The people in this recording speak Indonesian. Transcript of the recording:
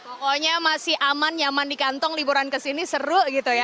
pokoknya masih aman nyaman di kantong liburan kesini seru gitu ya